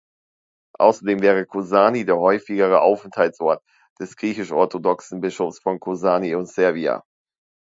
Außerdem wäre Kozani der häufigere Aufenthaltsort des griechisch-orthodoxen Bischofs von Kozani und Servia.